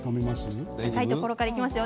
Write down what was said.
高いところからいきますよ